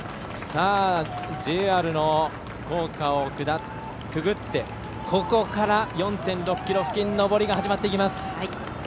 ＪＲの高架をくぐってここから４．６ｋｍ付近上りが始まっていきます。